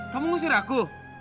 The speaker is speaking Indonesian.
kamu ngusir aku